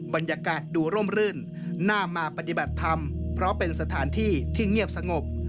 บรรยากาศดูร่มรื่นน่ามาปฏิบัติธรรมเพราะเป็นสถานที่ที่เงียบสงบ